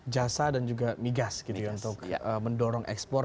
jasa dan juga migas gitu ya untuk mendorong ekspor